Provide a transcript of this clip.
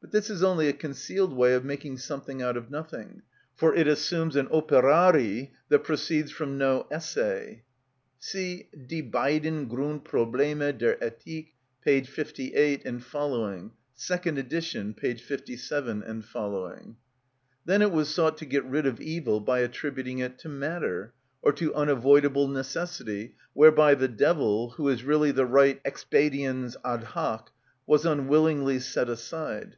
But this is only a concealed way of making something out of nothing, for it assumes an Operari that proceeded from no Esse (see Die beiden Grundprobleme der Ethik, p. 58, et seq.; second edition, p. 57 et seq..) Then it was sought to get rid of evil by attributing it to matter, or to unavoidable necessity, whereby the devil, who is really the right Expediens ad hoc, was unwillingly set aside.